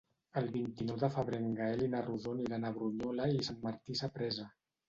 El vint-i-nou de febrer en Gaël i na Rosó aniran a Brunyola i Sant Martí Sapresa.